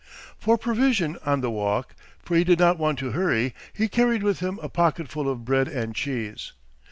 For provision on the walk, for he did not want to hurry, he carried with him a pocketful of bread and cheese.